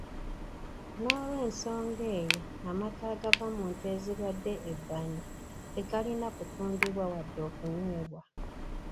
N’olw’ensonga eyo amata agava mu nte ezirwadde ebbanyi tegalina kutundibwa wadde okunywebwa.